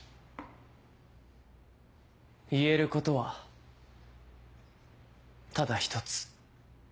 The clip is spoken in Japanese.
言えることはただ一つ。